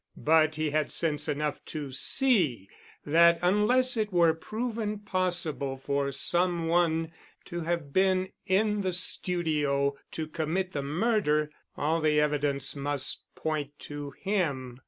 But he had sense enough to see that unless it were proven possible for some one to have been in the studio to commit the murder all the evidence must point to him.